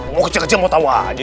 mau kecil kecil mau tawa aja